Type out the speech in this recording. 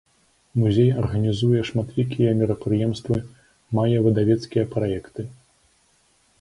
Музей арганізуе шматлікія мерапрыемствы, мае выдавецкія праекты.